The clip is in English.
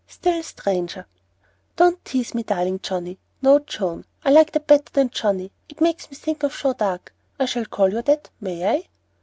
"Still stranger." "Don't tease me, darling Johnnie, no, Joan; I like that better than Johnnie. It makes me think of Joan d'Arc. I shall call you that, may I?"